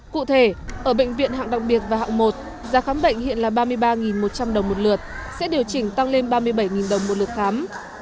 cụ thể ở bệnh viện hạng đặc biệt và hạng một giá khám bệnh hiện là ba mươi ba một trăm linh đồng một lượt sẽ điều chỉnh tăng lên ba mươi bảy đồng một lượt khám